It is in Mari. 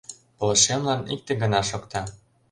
Пылышемлан икте гына шокта: